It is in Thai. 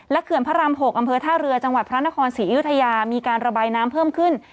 เขื่อนพระราม๖อำเภอท่าเรือจังหวัดพระนครศรีอยุธยามีการระบายน้ำเพิ่มขึ้น